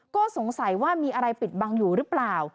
ก็สงสัยว่ามีอะไรปิดบังอยู่หรือเปล่า